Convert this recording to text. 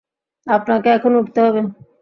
আপনাকে এখনই উঠতে হবে।